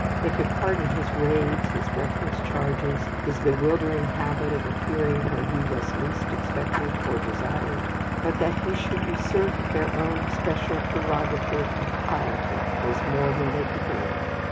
They could pardon his raids, his breathless charges, his bewildering habit of appearing where he was least expected or desired; but that he should usurp their own especial prerogative of piety was more than they could bear.